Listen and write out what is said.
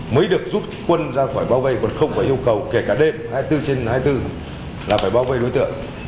mới được rút quân ra khỏi bao vây còn không phải yêu cầu kể cả đêm hai mươi bốn trên hai mươi bốn là phải bao vây đối tượng